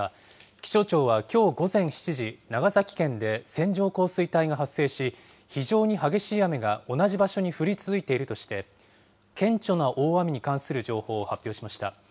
気象庁はきょう午前７時、長崎県で線状降水帯が発生し、非常に激しい雨が同じ場所に降り続いているとして、顕著な大雨に関する情報を発表しました。